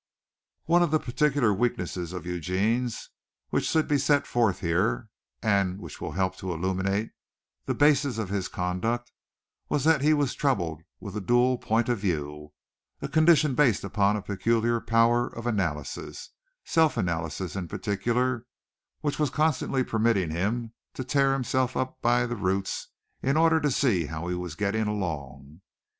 One of the particular weaknesses of Eugene's which should be set forth here and which will help to illuminate the bases of his conduct was that he was troubled with a dual point of view a condition based upon a peculiar power of analysis self analysis in particular, which was constantly permitting him to tear himself up by the roots in order to see how he was getting along.